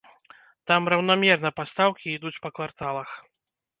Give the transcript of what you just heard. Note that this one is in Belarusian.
Там раўнамерна пастаўкі ідуць па кварталах.